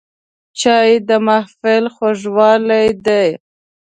چای د محفل خوږوالی دی